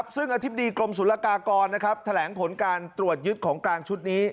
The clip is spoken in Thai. ซึ่งอธิบดีกรมศุลกากรแถลงผลการตรวจยึดของกลางชุดนี้